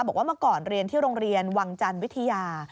บอกว่าเมื่อก่อนเรียนที่โรงเรียนวังจันทร์วิทยา